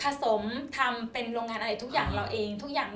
ภาโสมทำเป็นลงงานสาธารณะยังเช่นเรานี้